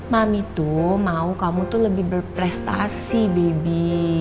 mami tuh mau kamu tuh lebih berprestasi bibi